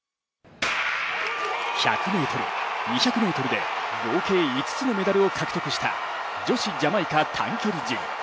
１００ｍ、２００ｍで合計５つのメダルを獲得した女子ジャマイカ短距離陣。